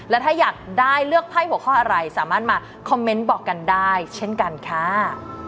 และถ้าอยากได้เลือกไพ่หัวข้ออะไรสามารถมาคอมเมนต์บอกกันได้เช่นกันค่ะ